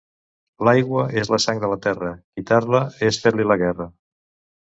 L'aigua és la sang de la terra; quitar-la és fer-li la guerra.